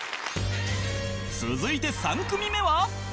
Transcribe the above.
続いて３組目は